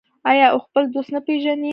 آیا او خپل دوست نه پیژني؟